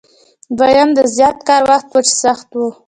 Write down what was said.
دویم د زیات کار وخت و چې سخت و.